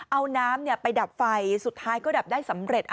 เอาน้ำไปดับไฟสุดท้ายก็ดับได้สำเร็จ